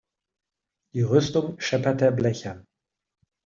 Die Rüstung schepperte blechern.